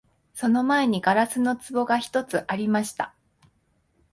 その前に硝子の壺が一つありました